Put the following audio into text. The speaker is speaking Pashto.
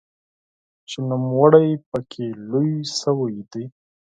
چې نوموړی پکې لوی شوی دی.